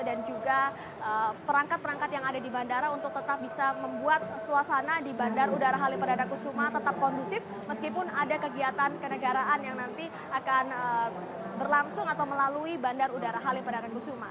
dan juga perangkat perangkat yang ada di bandara untuk tetap bisa membuat suasana di bandara halim bandara kusuma tetap kondusif meskipun ada kegiatan kenegaraan yang nanti akan berlangsung atau melalui bandara halim bandara kusuma